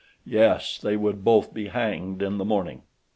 Yes, they would both be hanged in the morning!